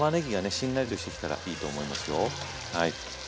しんなりとしてきたらいいと思いますよ。